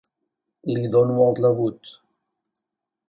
Li dono el rebut.